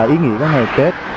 ý nghĩa của ngày tết